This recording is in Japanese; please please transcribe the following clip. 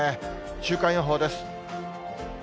週間予報です。